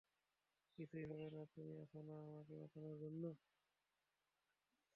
কিছুই হবে না, তুমি আছো না, আমাকে বাঁচানোর জন্য।